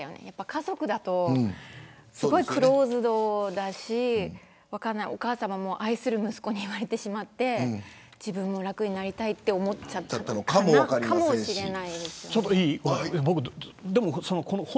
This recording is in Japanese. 家族だと、すごくクローズドだしお母さまも愛する息子に言われてしまって自分も楽になりたいと思っちゃったのかもしれない。